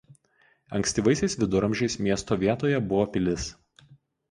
Ankstyvaisiais viduramžiais miesto vietoje buvo pilis.